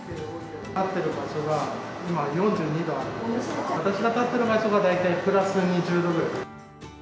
立ってる場所が今、４２度あるんですけど、私が立っている場所が、大体プラス２０度ぐらい。